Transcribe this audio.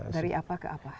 dari apa ke apa